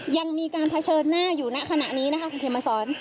ยังมีการเผชิญหน้าอยู่ณขณะนี้นะคะคุณเขมมาสอน